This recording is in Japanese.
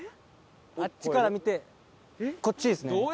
あっちから見てこっちですね。